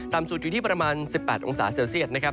สุดอยู่ที่ประมาณ๑๘องศาเซลเซียตนะครับ